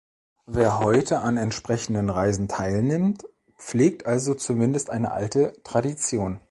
Wer heute an entsprechenden Reisen teilnimmt, pflegt also zumeist eine alte Tradition.